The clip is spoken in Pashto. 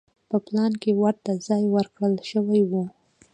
په پلان کې ورته ځای ورکړل شوی و.